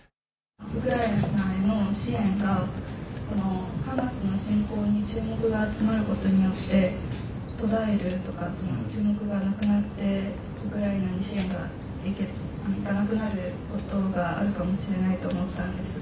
ウクライナへの支援がハマスの侵攻に注目が集まることによって途絶えるとか注目がなくなってウクライナに支援がいかなくなることがあるかもしれないと思ったんですが。